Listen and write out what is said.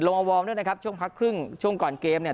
วอร์มด้วยนะครับช่วงพักครึ่งช่วงก่อนเกมเนี่ย